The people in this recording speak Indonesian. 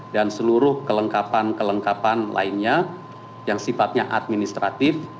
dan seluruh kelengkapan kelengkapan lainnya yang sifatnya administratif